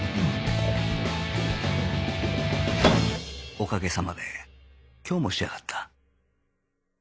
おかげさまで今日も仕上がった